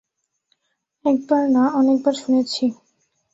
একবার না, অনেক বার শুনেছি।